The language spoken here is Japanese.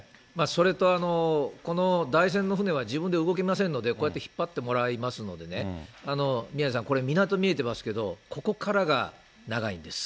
それと、この台船の船は自分で動きませんので、こうやって引っ張ってもらいますのでね、宮根さん、これ、港見えてますけども、ここからが長いんです。